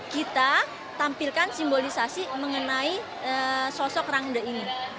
kita tampilkan simbolisasi mengenai sosok rangde ini